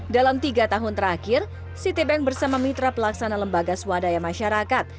dalam tiga tahun terakhir citibank bersama mitra pelaksana lembaga swadaya masyarakat